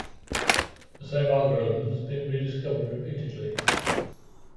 The same algorithm has been rediscovered repeatedly.